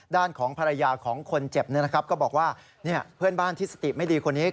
ด้านของภรรยาของคนเจ็บก็บอกว่าเพื่อนบ้านที่สติไม่ดีคนนี้